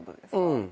うん。